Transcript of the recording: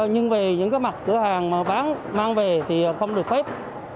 nhưng về những cái mặt cửa hàng mà bán mang về thì không được phép